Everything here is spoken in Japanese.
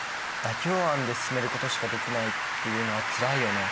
妥協案で進めることしかできないっていうのはつらいよね。